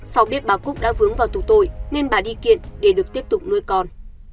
sau biết bà cúc đã vướng vào tù tội nên bà đi kiện để được tiếp tục nuôi con